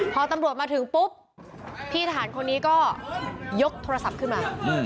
พอตำรวจมาถึงปุ๊บพี่ทหารคนนี้ก็ยกโทรศัพท์ขึ้นมา